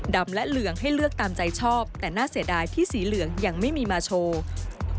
และเหลืองให้เลือกตามใจชอบแต่น่าเสียดายที่สีเหลืองยังไม่มีมาโชว์